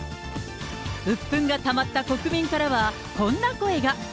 うっぷんがたまった国民からは、こんな声が。